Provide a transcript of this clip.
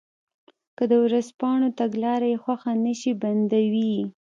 که د ورځپاڼو تګلاره یې خوښه نه شي بندوي یې.